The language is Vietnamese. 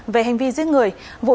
về hành vi giết người